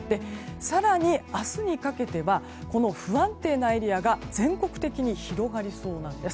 更に明日にかけてはこの不安定なエリアが全国的に広がりそうなんです。